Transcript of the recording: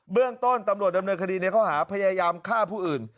เรื่องต้นตำรวจดำเนินคดีในข้อหาพยายามฆ่าผู้อื่น